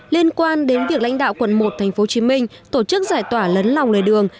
liên quan đến việc lãnh đạo quận một tp hcm tổ chức giải tỏa lấn lòng lề đường